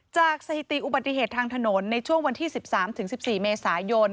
สถิติอุบัติเหตุทางถนนในช่วงวันที่๑๓๑๔เมษายน